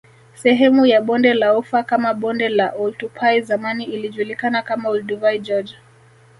Sehemu ya Bonde la ufa kama Bonde la Oltupai zamani ilijulikana kama Olduvai Gorge